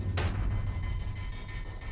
dungkitnya nggak gerak sendiri